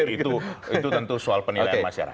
itu tentu soal penilaian masyarakat